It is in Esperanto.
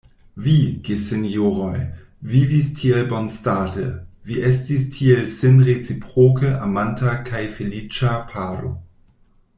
Vi, gesinjoroj, vivis tiel bonstate, vi estis tiel sin reciproke amanta kaj feliĉa paro!